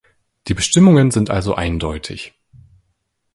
Die Bestimmungen sind also eindeutig.